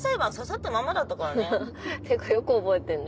ってかよく覚えてんね。